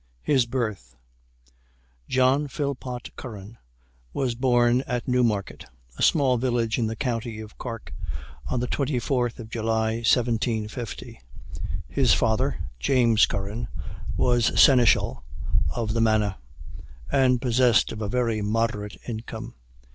HIS BIRTH John Philpot Curran was born at Newmarket, a small village in the county of Cork, on the 24th of July, 1750. His father, James Curran, was seneschal of the manor, and possessed of a very moderate income.